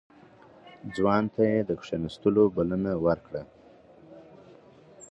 ځوان ته يې د کېناستو بلنه ورکړه.